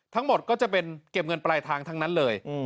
ทั้งหมดก็จะเป็นเก็บเงินปลายทางทั้งนั้นเลย